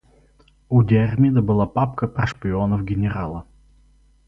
У Диармида была папка про шпионов генерала.